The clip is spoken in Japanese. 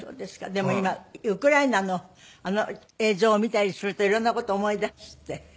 でも今ウクライナのあの映像を見たりするといろんな事を思い出すって。